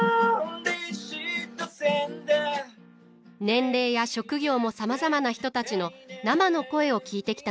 年齢や職業もさまざまな人たちの生の声を聞いてきたのです。